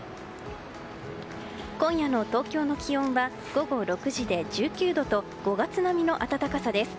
今夜の東京の気温は午後６時で１９度と５月並みの暖かさです。